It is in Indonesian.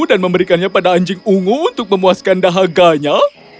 dan memberikannya pada anjing ungu untuk memuaskan dahaganya